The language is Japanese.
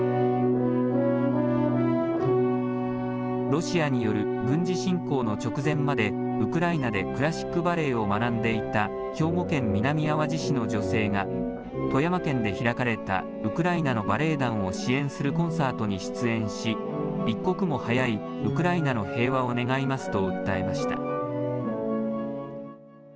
ロシアによる軍事侵攻の直前まで、ウクライナでクラシックバレエを学んでいた兵庫県南あわじ市の女性が、富山県で開かれたウクライナのバレエ団を支援するコンサートに出演し、一刻も早いウクライナの平和を願いますと訴えました。